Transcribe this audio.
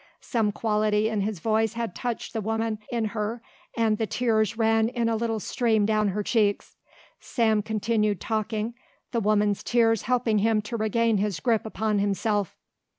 Some quality in his voice had touched the woman in her and the tears ran in a little stream down her cheeks. Sam continued talking, the woman's tears helping him to regain his grip upon himself.